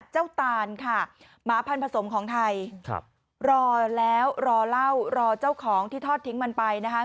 ตานค่ะหมาพันธสมของไทยรอแล้วรอเล่ารอเจ้าของที่ทอดทิ้งมันไปนะคะ